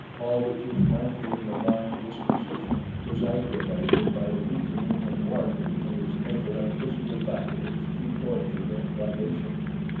Paulvitch's naturally malign disposition was aggravated by the weakening and warping of his mental and physical faculties through torture and privation.